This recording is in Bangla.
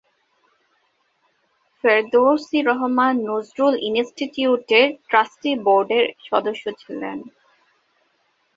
ফেরদৌসী রহমান নজরুল ইন্সটিটিউটের ট্রাস্টি বোর্ডের সদস্য ছিলেন।